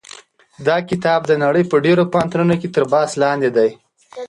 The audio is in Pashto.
دا کتاب د نړۍ په ډېرو پوهنتونونو کې تر بحث لاندې دی.